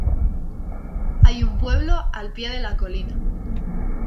Hay un pueblo al pie de la colina.